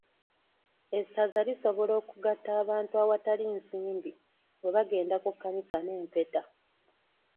Essaza lisobola okugatta abantu awatali nsimbi bwe bagenda ku kkanisa n'empeta.